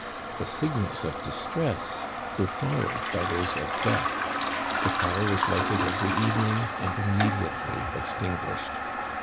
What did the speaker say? The signals of distress were followed by those of death. The fire was lighted every evening and immediately extinguished.